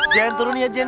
jangan turun ya jen